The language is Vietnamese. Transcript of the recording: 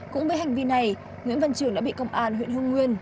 cũng với hành vi này nguyễn văn trường đã bị công an huyện hưng nguyên